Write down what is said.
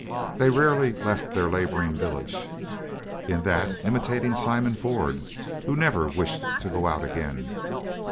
They rarely left their laboring village—in that imitating Simon Ford, who never wished to go out again.